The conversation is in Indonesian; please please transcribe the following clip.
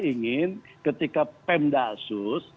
ingin ketika pemdaksus